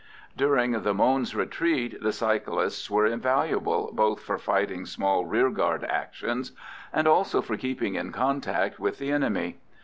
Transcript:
During the Mons retreat the cyclists were invaluable, both for fighting small rearguard actions and also for keeping in contact with the enemy.